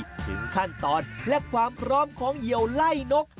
ถึงขั้นตอนและความพร้อมของเหี่ยวไล่นก